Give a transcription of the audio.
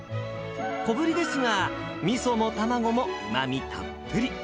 小ぶりですが、みそも卵もうまみたっぷり。